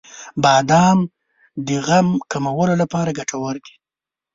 • بادام د غم کمولو لپاره ګټور دی.